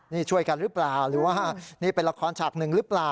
นี่ช่วยกันหรือเปล่าหรือว่านี่เป็นละครฉากหนึ่งหรือเปล่า